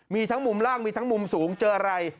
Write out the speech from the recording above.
มีทั้งมุมล่างมีทั้งมุมสูงเจออะไร